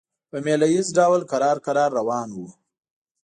په مېله ییز ډول کرار کرار روان وو.